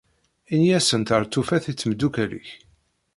Ini-asent ar tufat i tmeddukal-ik.